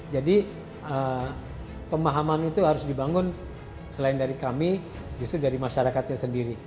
jadi pemahaman itu harus dibangun selain dari kami justru dari masyarakatnya sendiri